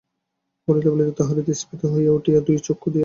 বলিতে বলিতে তাহার হৃদয় স্ফীত হইয়া উঠিয়া দুই চক্ষু দিয়া অশ্রু ঝরিতে লাগিল।